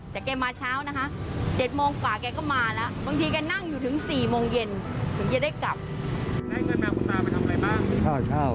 แต่แกมาเช้า๗โมงกว่ากังก็มาแล้ว